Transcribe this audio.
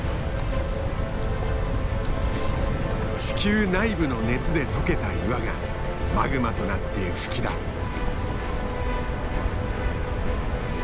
地球内部の熱で溶けた岩がマグマとなって噴き出す。